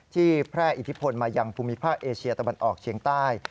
แพร่อิทธิพลมายังภูมิภาคเอเชียตะวันออกเชียงใต้